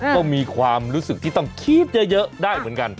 ก็มีความรู้สึกที่ต้องคิดเยอะได้เหมือนกัน